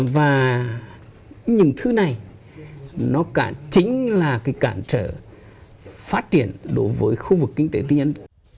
và những thứ này nó chính là cái cản trở phát triển đối với khu vực kinh tế tư nhân